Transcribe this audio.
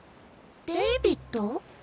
デイビッド？